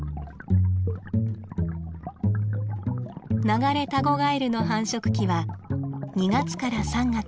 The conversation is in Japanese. ナガレタゴガエルの繁殖期は２月から３月。